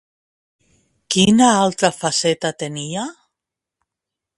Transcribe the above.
Quina altra faceta tenia?